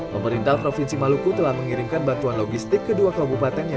pemerintah provinsi maluku telah mengirimkan bantuan logistik ke dua kabupaten yang